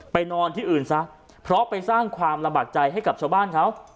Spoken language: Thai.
นอนที่อื่นซะเพราะไปสร้างความระบากใจให้กับชาวบ้านเขา